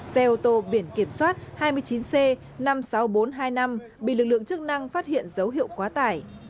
xe ô tô biển kiểm soát hai mươi chín c năm mươi sáu nghìn bốn trăm hai mươi năm bị lực lượng chức năng phát hiện dấu hiệu quá tải